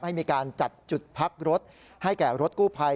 ให้มีการจัดจุดพักรถให้แก่รถกู้ภัย